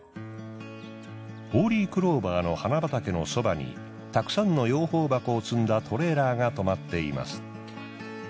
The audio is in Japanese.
ホーリークローバーの花畑のそばにたくさんの養蜂箱を積んだトレーラーが止まっています。